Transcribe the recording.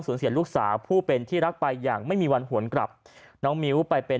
เสียลูกสาวผู้เป็นที่รักไปอย่างไม่มีวันหวนกลับน้องมิ้วไปเป็น